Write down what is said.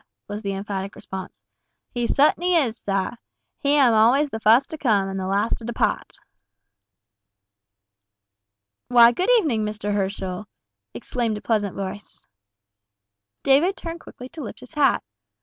was the emphatic response. "He sut'n'y is, sah! He am always the fust to come, an' the last to depaht." "Why, good evening, Mr. Herschel," exclaimed a pleasant voice. David turned quickly to lift his hat.